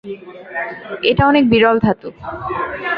এটা অনেক বিরল ধাতু।